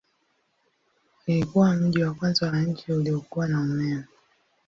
Ilikuwa mji wa kwanza wa nchi uliokuwa na umeme.